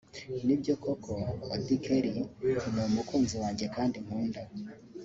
Nibyo koko Auddy Kelly ni umukunzi wanjye kandi nkunda